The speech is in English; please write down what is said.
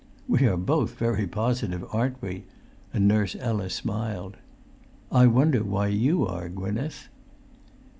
We are both very positive, aren't we?" and Nurse Ella smiled. "I wonder why you are, Gwynneth?"